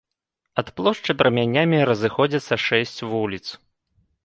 Ад плошчы праменямі разыходзяцца шэсць вуліц.